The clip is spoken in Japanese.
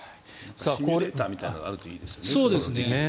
シミュレーターみたいなのがあるといいですね。